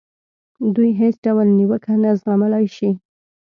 دوی هېڅ ډول نیوکه نه زغملای شي.